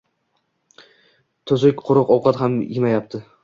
Tuzuk-quruq ovqat ham emayapti